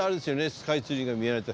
スカイツリーが見えないって。